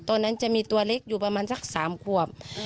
ตอนนั้นจะมีตัวเล็กอยู่ประมาณสัก๓ขวบ